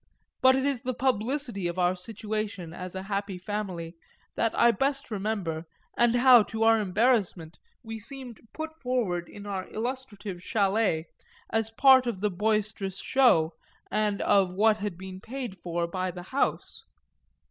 But it is the publicity of our situation as a happy family that I best remember, and how, to our embarrassment, we seemed put forward in our illustrative châlet as part of the boisterous show and of what had been paid for by the house.